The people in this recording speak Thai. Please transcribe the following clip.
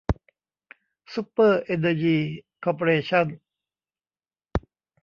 ซุปเปอร์ เอนเนอร์ยี คอร์เปอเรชั่น